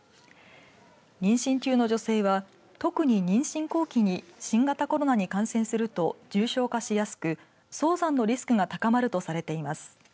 妊娠中の女性は、特に妊娠後期に新型コロナに感染すると重症化しやすく早産のリスクが高まるとされています。